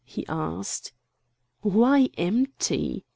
he asked. "Why EMPTY?"